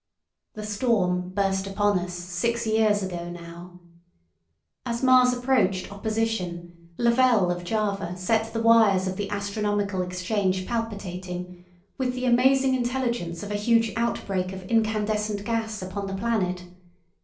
The storm burst upon us six years ago now. As Mars approached opposition, Lavelle of Java set the wires of the astronomical exchange palpitating with the amazing intelligence of a huge outbreak of incandescent gas upon the planet.